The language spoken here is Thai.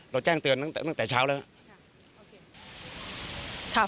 เราแจ้งเตือนตั้งแต่เช้าแล้ว